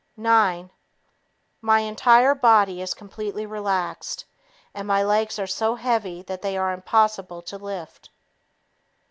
Nine ... My entire body is completely relaxed, and my legs are so heavy that they are impossible to lift.